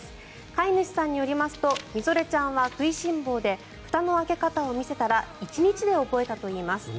飼い主さんによりますとみぞれちゃんは食いしん坊でふたの開け方を見せたら１日で覚えたといいます。